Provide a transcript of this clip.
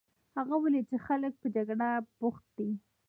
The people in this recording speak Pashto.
هغه ولیدل چې خلک په جګړه بوخت دي.